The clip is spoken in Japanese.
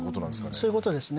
そういうことですね。